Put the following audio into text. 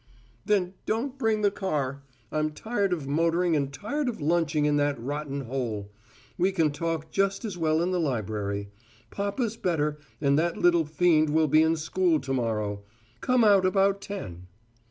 "Then don't bring the car. I'm tired of motoring and tired of lunching in that rotten hole. We can talk just as well in the library. Papa's better, and that little fiend will be in school to morrow. Come out about ten."